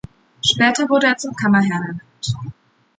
Später wurde er zum Kammerherrn ernannt.